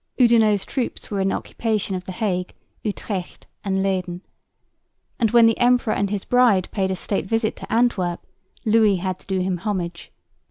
Oudinot's troops were in occupation of the Hague, Utrecht and Leyden; and, when the emperor and his bride paid a state visit to Antwerp, Louis had to do him homage.